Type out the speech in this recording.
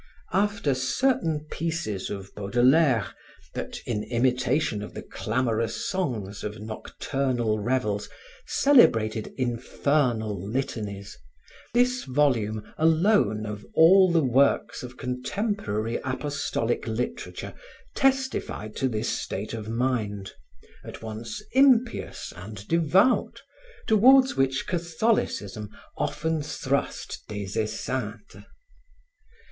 After certain pieces of Baudelaire that, in imitation of the clamorous songs of nocturnal revels, celebrated infernal litanies, this volume alone of all the works of contemporary apostolic literature testified to this state of mind, at once impious and devout, toward which Catholicism often thrust Des Esseintes.